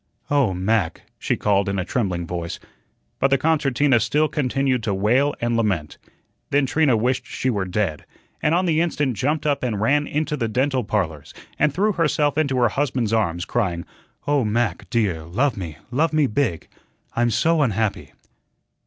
"Oh, Mac," she called in a trembling voice. But the concertina still continued to wail and lament. Then Trina wished she were dead, and on the instant jumped up and ran into the "Dental Parlors," and threw herself into her husband's arms, crying: "Oh, Mac, dear, love me, love me big! I'm so unhappy."